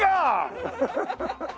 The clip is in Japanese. ハハハ。